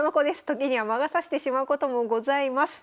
時には魔が差してしまうこともございます。